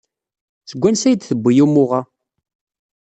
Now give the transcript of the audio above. Seg wansi ay d-tewwi umuɣ-a?